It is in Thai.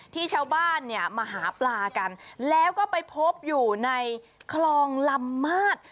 ชาวบ้านเนี่ยมาหาปลากันแล้วก็ไปพบอยู่ในคลองลำมาด